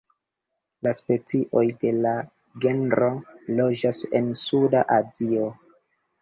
La specioj de la genro loĝas en Suda Azio.